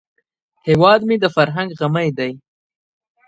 هیواد مې د فرهنګ غمی دی